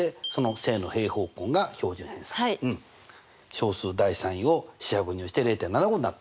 小数第３位を四捨五入して０．７５になった。